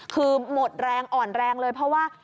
คือหมดแรงอ่อนแรงเลยเพราะว่า